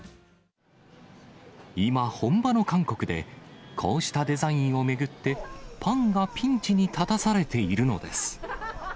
今、本場の韓国で、こうしたデザインを巡って、パンがピンチに立たされているのです。